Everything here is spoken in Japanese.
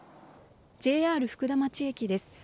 ＪＲ福田町駅です。